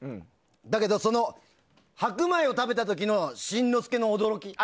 だけど、白米を食べた時の新之助の驚き。